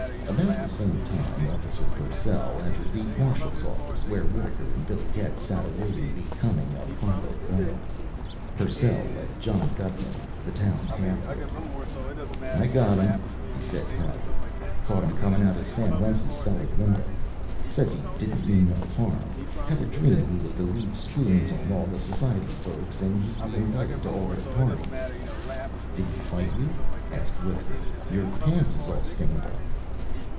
About the same time, Officer Purcell entered the Marshal's office, where Wittaker and Billy Getz sat awaiting the coming of Philo Gubb. Purcell led John Gutman, the town half wit. "I got him," he said proudly. "Caught him comin' out of Sam Wentz's cellar window. Says he didn't mean no harm. Had a dream he was to leave spoons on all the society folks an' he'd be invited to all their parties." "Did he fight you?" asked Wittaker. "Your pants is all stained up."